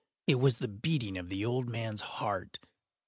It was the beating of the old man’s heart.